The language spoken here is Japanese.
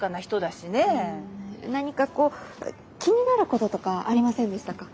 何かこう気になることとかありませんでしたか？